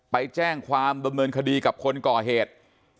ไปแจ้งความดำเนินคดีกับคนก่อเหตุ